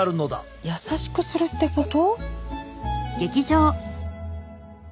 やさしくするってこと？